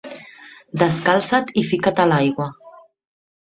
Descalça't i fica't a l'aigua.